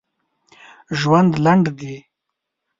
ژوند لنډ دي!